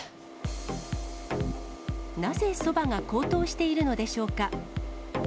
なぜそばが高騰しているのでしょうか。